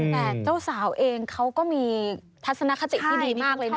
แต่เจ้าสาวเองเขาก็มีทัศนคติที่ดีมากเลยนะ